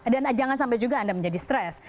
dan jangan sampai juga anda menjadi stres